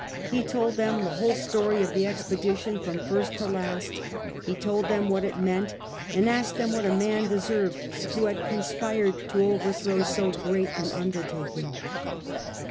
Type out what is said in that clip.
He told them the whole story of the expedition from first to last, he told them what it meant, and asked them what a man deserved who had conspired to overthrow so great an undertaking.